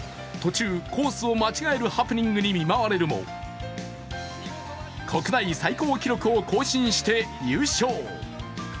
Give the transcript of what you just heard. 途中、コースを間違えるハプニングに見舞われるも国内最高記録を更新して優勝。